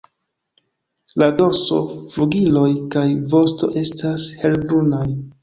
La dorso, flugiloj kaj vosto estas helbrunaj.